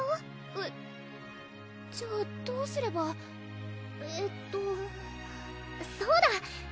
えっじゃあどうすればえっとそうだ！